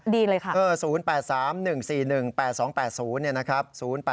ดีเลยครับ